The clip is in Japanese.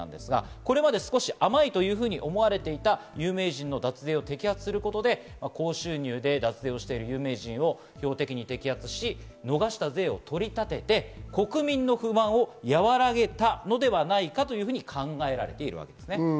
これまで少し甘いというふうに思われていた有名人の脱税を摘発することで高収入で脱税してる有名人を標的に摘発し、逃した税を取り立てて国民の不満を和らげたのではないかというふうに考えられています。